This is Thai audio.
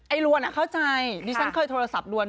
ไอ้รวรเข้าใจดิฉันเคยโทรศัพท์รวร